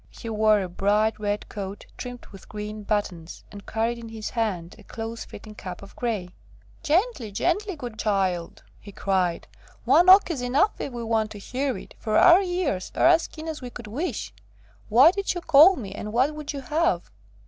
He wore a bright red coat trimmed with green buttons, and carried in his hand a close fitting cap of grey. [Illustration: Fat little things, with big blue eyes.] "Gently, gently, good child!" he cried. "One knock is enough, if we want to hear it, for our ears are as keen as we could wish. Why did you call me, and what would you have?"